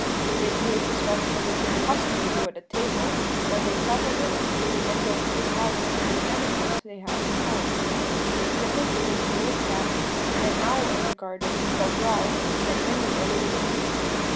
"They behaved as well as children could possibly do at table, though they prattled a little, and told Mrs. Howard of the animals they had at home, their kittens and the old cat, and an owl in the garden called Ralph, and many other things.